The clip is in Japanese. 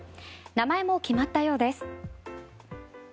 名前も決まったようです。